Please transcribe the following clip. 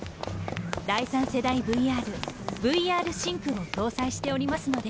第三世代ＶＲＶＲ−Ｃを搭載しておりますので。